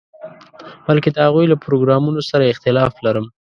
بلکې د هغوی له پروګرامونو سره اختلاف لرم.